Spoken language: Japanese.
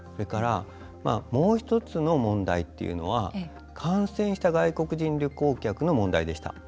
もう１つの問題というのは感染した外国人旅行客の問題でした。